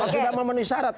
sudah memenuhi syarat